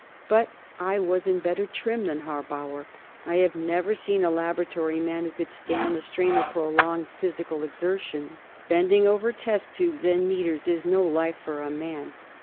But I was in better trim than Harbauer. I have never seen a laboratory man who could stand the strain of prolonged physical exertion. Bending over test tubes and meters is no life for a man.